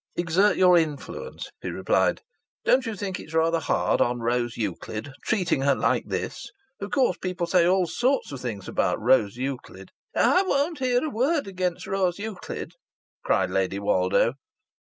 "Exert your influence," he replied. "Don't you think it's rather hard on Rose Euclid treating her like this? Of course people say all sorts of things about Rose Euclid " "I won't hear a word against Rose Euclid," cried Lady Woldo.